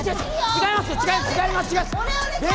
違います。